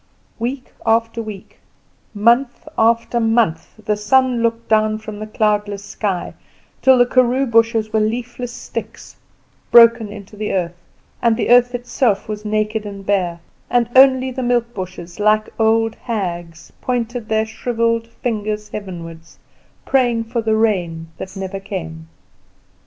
Week after week, month after month, the sun looked down from the cloudless sky, till the karoo bushes were leafless sticks, broken into the earth, and the earth itself was naked and bare; and only the milk bushes, like old hags, pointed their shrivelled fingers heavenward, praying for the rain that never came.